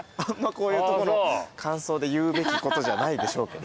こういうとこの感想で言うべきことじゃないでしょうけど。